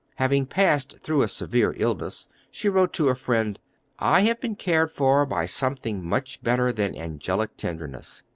Having passed through a severe illness, she wrote to a friend: "I have been cared for by something much better than angelic tenderness....